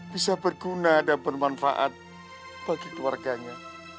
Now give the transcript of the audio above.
bisa berguna dan bermanfaat bagi keluarganya